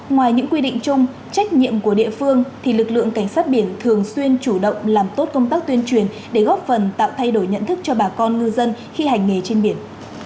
ngoài những quy định chung trách nhiệm của địa phương thì lực lượng cảnh sát biển thường xuyên chủ động làm tốt công tác tuyên truyền để góp phần tạo thay đổi nhận thức cho bà con ngư dân khi hành nghề trên biển